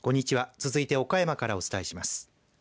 続いて岡山からお伝えします。